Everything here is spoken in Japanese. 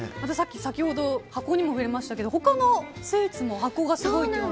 先ほど箱にも触れましたけど他のスイーツも箱がすごいと。